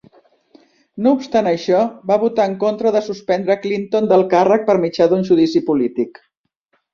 No obstant això, va votar en contra de suspendre Clinton del càrrec per mitjà d'un judici polític.